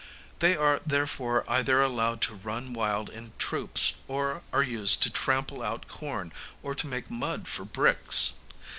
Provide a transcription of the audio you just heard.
They are therefore either allowed to run wild in troops, or are used to trample out corn or to make mud for bricks.